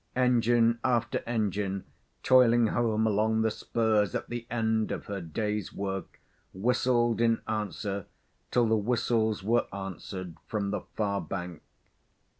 Engine after engine toiling home along the spurs at the end of her day's work whistled in answer till the whistles were answered from the far bank.